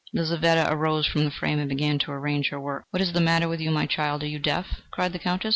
Lizaveta arose from the frame and began to arrange her work. "What is the matter with you, my child, are you deaf?" cried the Countess.